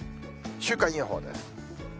週間予報です。